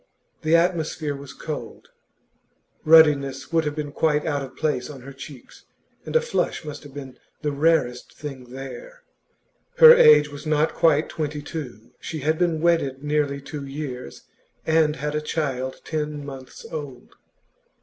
The atmosphere was cold; ruddiness would have been quite out of place on her cheeks, and a flush must have been the rarest thing there. Her age was not quite two and twenty; she had been wedded nearly two years, and had a child ten months old.